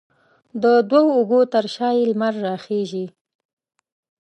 د دوو اوږو تر شا یې لمر راخیژي